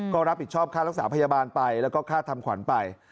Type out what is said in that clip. ก็รับผิดชอบค่ารักษาพยาบาลไปแล้วก็ค่าทำขวัญไป